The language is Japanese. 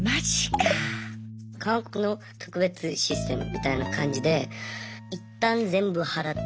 韓国の特別システムみたいな感じでいったん全部払って。